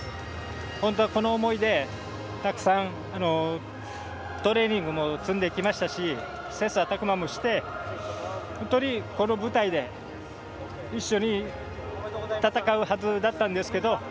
本当は、この思いでたくさんトレーニングも積んできましたし切さたく磨もして本当にこの舞台で一緒に戦うはずだったんですけど。